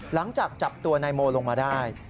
หลังจากจับตัวนายโมลงมาได้